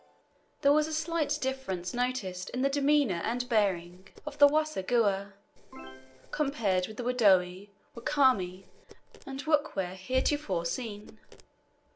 There was a slight difference noticed in the demeanour and bearing of the Waseguhha compared with the Wadoe, Wakami, and Wakwere heretofore seen.